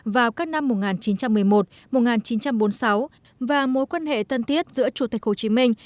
vào các năm một nghìn chín trăm một mươi một một nghìn chín trăm bốn mươi sáu và mối quan hệ thân thiết giữa chủ tịch hồ chí minh